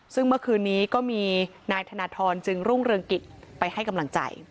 ซึ่งเมื่อคืนนี้ก็มีนายธนทรจึงรุ่งเรืองกิจไปให้กำลังใจ